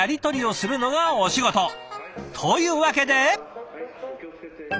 というわけで。